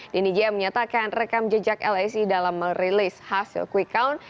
denny j menyatakan rekam jejak lsi dalam merilis hasil quick count